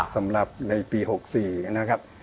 สำหรับในปี๖๔นะครับ